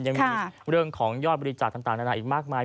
ยังมีเรื่องของยอดบริจาคต่างนานาอีกมากมาย